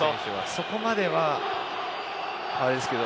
そこまではあれですけど。